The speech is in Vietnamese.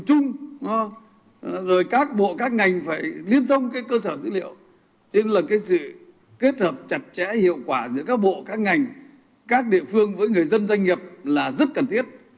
thế nên là sự kết hợp chặt chẽ hiệu quả giữa các bộ các ngành các địa phương với người dân doanh nghiệp là rất cần thiết